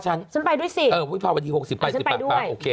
จนไปด้วยฉันไหว้ให้๒ที่เลย